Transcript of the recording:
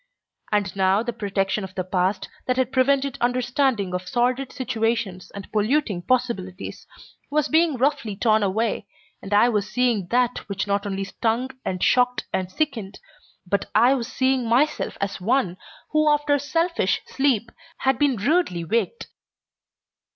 And now the protection of the past that had prevented understanding of sordid situations and polluting possibilities was being roughly torn away, and I was seeing that which not only stung and shocked and sickened, but I was seeing myself as one who after selfish sleep had been rudely waked.